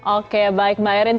oke baik mbak erin